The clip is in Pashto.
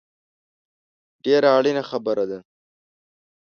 ډېره اړینه خبره ده